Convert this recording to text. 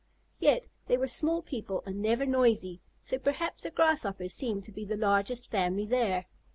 Yet they were small people and never noisy, so perhaps the Grasshoppers seemed to be the largest family there.